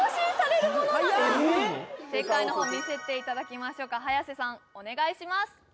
正解のほう見せていただきましょうか早瀬さんお願いします